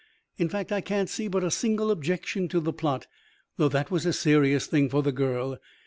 In fact, I can't see but a single objection to the plot, though that was a serious thing for the girl.